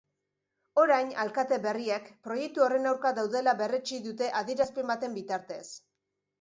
Horien alkate berriek proiektu horren aurka daudela berretsi dute adierazpen baten bitartez.